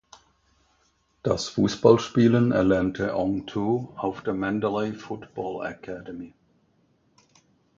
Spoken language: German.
Das Fußballspielen erlernte Aung Thu auf der Mandalay Football Academy.